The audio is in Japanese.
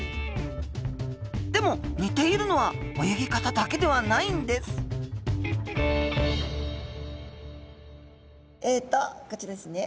でも似ているのは泳ぎ方だけではないんですえとこちらですね。